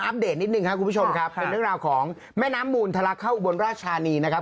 เป็นเรื่องราวของแม่น้ำมูลทะละเข้าอุบลราชชานีนะครับ